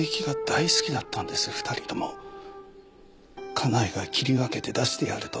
家内が切り分けて出してやると。